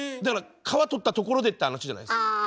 だから皮取ったところでって話じゃないですか。